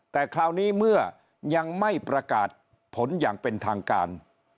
แต่คราวนี้เมื่อยังไม่ประกาศผลอย่างเป็นทางการ